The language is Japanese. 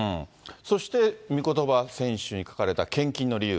そして御言葉選集に書かれた献金の理由。